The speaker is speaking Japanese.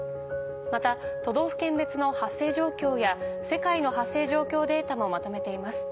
また都道府県別の発生状況や世界の発生状況データもまとめています。